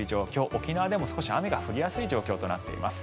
沖縄でも少し雨が降りやすい状況となっています。